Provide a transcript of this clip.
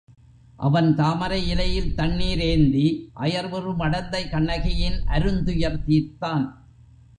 அவன் தாமரை இலையில் தண்ணீர் ஏந்தி அயர்வுறு மடந்தை கண்ணகியின் அருந்துயர் தீர்த்தான்.